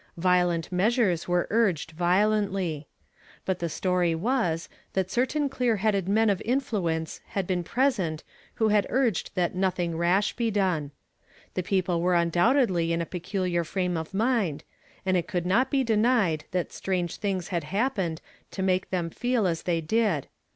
Violent measures were urged violently; but the story was, that certain clear headed men of influence had been present who had urged that nothing rash be done. The people were undouucedly in a peculiar frame of mind, and it could not be denied that strange things had happened to make them feel as they did.